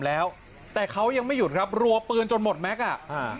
แล้วแต่เขายังไม่หยุดครับรัวปืนจนหมดแม็กซ์อ่ะอ่า